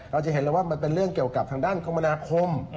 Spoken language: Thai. เราจะเห็นแล้วว่ามันเป็นเรื่องเกี่ยวกับทางด้านคมนาคม